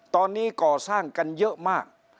ตอนนี้ก่อสร้างกันเยอะมาก